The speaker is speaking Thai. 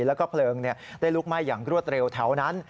แล้วก็เพลิงได้ลุกไหม้อย่างรวดเร็วแถวนั้น